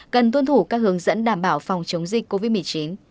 cần tuân thủ các hướng dẫn đảm bảo phòng chống dịch covid một mươi chín